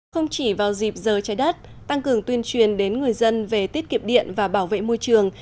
không chỉ vào dịp giờ trái đất tăng cường tuyên truyền đến người dân về tiết kiệm điện và bảo vệ môi trường